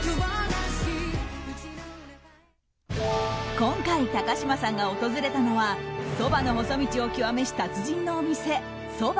今回、高嶋さんが訪れたのはそばの細道を極めし達人のお店蕎麦